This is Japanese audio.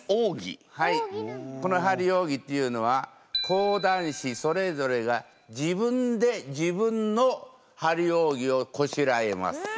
この張扇っていうのは講談師それぞれが自分で自分の張扇をこしらえます。